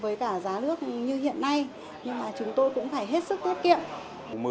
với cả giá nước như hiện nay nhưng mà chúng tôi cũng phải hết sức tiết kiệm